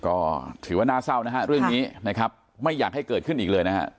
ก็ถือว่าน่าเศร้านะฮะเรื่องนี้นะครับไม่อยากให้เกิดขึ้นอีกเลยนะฮะ